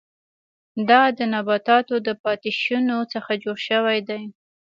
دا د نباتاتو د پاتې شونو څخه جوړ شوي دي.